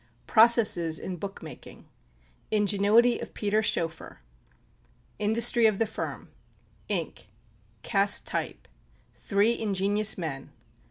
Processes in Bookmaking. Ingenuity of Peter Schoeffer. Industry of the Firm. Ink. Cast Type. Three Ingenious Men.